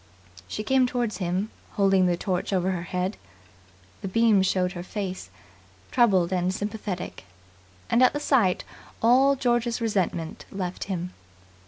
She came towards him, holding the torch over her head. The beam showed her face, troubled and sympathetic, and at the sight all George's resentment left him.